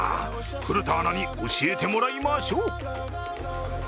古田アナに教えてもらいましょう。